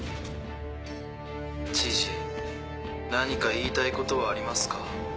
知事何か言いたいことはありますか？